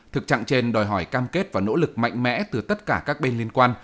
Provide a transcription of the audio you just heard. thực trạng trên đòi hỏi cam kết và nỗ lực mạnh mẽ từ tất cả các bên liên quan